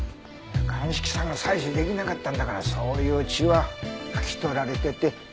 鑑識さんが採取できなかったんだからそういう血は拭き取られてて見えないって事でしょ。